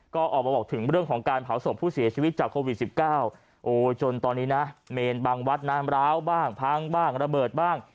ก็ออกมาบอกถึงเรื่องของการเผาศพผู้เสียชีวิตจากโควิด๑๙โอ้ยจนตอนนี้นะเมนบางวัดน้ำร้าวบ้างพังบ้างระเบิดบ้าง